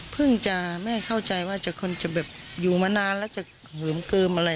จะแม่เข้าใจว่าคนจะแบบอยู่มานานแล้วจะเหิมเกิมอะไร